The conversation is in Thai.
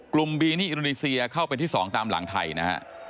กลุ่มบีนี่อิโรนีเซียเข้าเป็นที่สองตามหลังไทยนะครับ